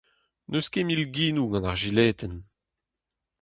N'eus ket milginoù gant ar jiletenn.